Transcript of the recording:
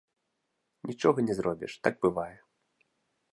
Нічога не зробіш, так бывае.